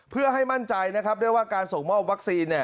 เพื่อให้มั่นใจนะครับได้ว่าการส่งมอบวัคซีน